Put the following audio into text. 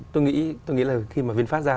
tôi nghĩ là khi mà vinfast ra